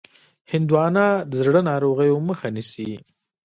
هندوانه د زړه ناروغیو مخه نیسي.